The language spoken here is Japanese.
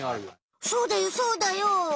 そうだよそうだよ。